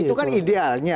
itu kan idealnya